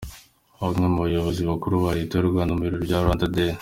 Bamwe mu bayobozi bakuru ba Leta y'u Rwanda mu birori bya Rwanda Day.